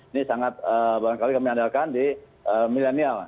ini sangat banyak kali kami andalkan di milenial